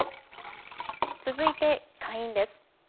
続いて下院です。